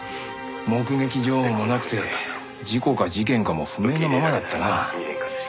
目撃情報がなくて事故か事件かも不明のままだったな。